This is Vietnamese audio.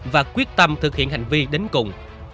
và quyết tâm thực hiện hành vi đến cùng